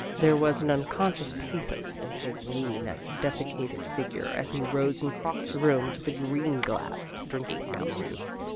There was an unconscious pathos in his lean, desiccated figure as he rose and crossed the room to the green glass drinking fountain.